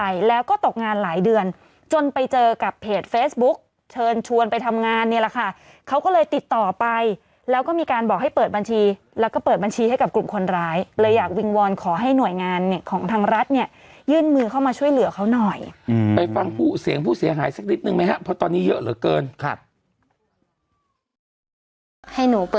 อย่างเดียวนะครับครับน่าจะเพิ่มขึ้นจากหกร้อยล้านเป็นหนึ่งหมื่นห้าพัน